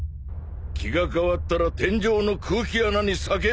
気が変わったら天井の空気穴に叫べ。